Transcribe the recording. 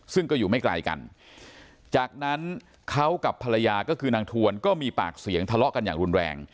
ซึ่งก็อยู่ไม่ไกลกันจากนั้นเขากับภรรยาก็คือนางทวนก็มีปากเสียงทะเลาะกันอย่างรุนแรง